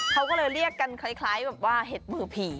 เขาก็เลยเรียกกันคล้ายแบบว่าเห็ดมือผี